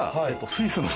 スイスの。